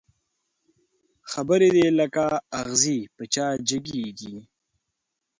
خبري دي لکه اغزي په چا جګېږي